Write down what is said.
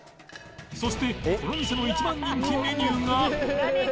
そしてこの店の一番人気メニューが